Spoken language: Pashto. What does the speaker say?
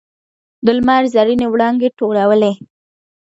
د لمر زرینې وړانګې ټولولې.